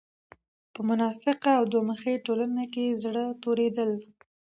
په منافقه او دوه مخې ټولنه کې زړۀ توريدل